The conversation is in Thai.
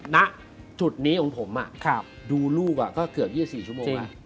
ณจุดนี้ของผมดูลูกก็เกือบ๒๔ชั่วโมง